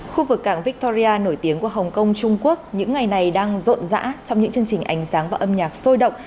khu vực cảng victoria nổi tiếng của hồng kông trung quốc những ngày này đang rộn rã trong những chương trình ánh sáng và âm nhạc sôi động